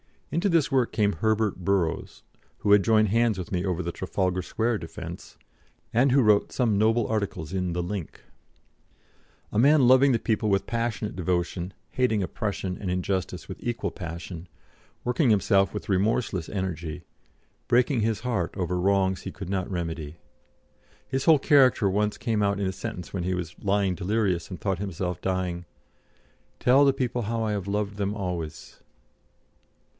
Into this work came Herbert Burrows, who had joined hands with me over the Trafalgar Square defence, and who wrote some noble articles in the Link. A man loving the people with passionate devotion, hating oppression and injustice with equal passion, working himself with remorseless energy, breaking his heart over wrongs he could not remedy. His whole character once came out in a sentence when he was lying delirious and thought himself dying: "Tell the people how I have loved them always."